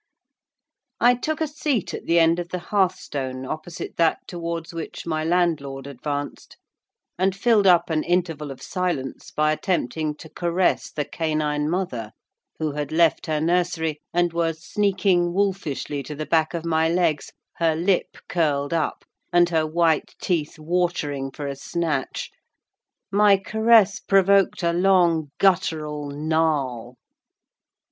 I took a seat at the end of the hearthstone opposite that towards which my landlord advanced, and filled up an interval of silence by attempting to caress the canine mother, who had left her nursery, and was sneaking wolfishly to the back of my legs, her lip curled up, and her white teeth watering for a snatch. My caress provoked a long, guttural gnarl.